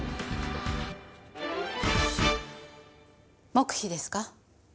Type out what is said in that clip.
黙秘ですか？